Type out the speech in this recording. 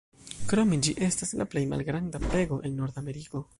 Krome ĝi estas la plej malgranda pego en Nordameriko.